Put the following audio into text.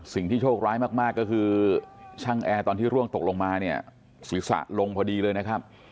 โชคร้ายมากก็คือช่างแอร์ตอนที่ร่วงตกลงมาเนี่ยศีรษะลงพอดีเลยนะครับ